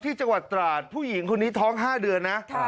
ที่จังหวัดตราดผู้หญิงคนนี้ท้อง๕เดือนนะ